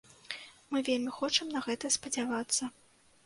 Мы вельмі хочам на гэта спадзявацца.